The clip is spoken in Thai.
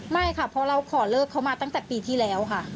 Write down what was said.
ไม่ค่ะเพราะเราขอเลิกเขามาตั้งแต่ปีที่แล้วค่ะ